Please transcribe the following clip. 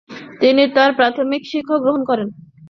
তিনি তার প্রাথমিক শিক্ষাগ্রহণ করেন।